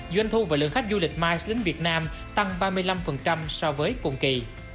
doanh thu và lượng khách du lịch mice đến việt nam tăng ba mươi năm so với cùng kỳ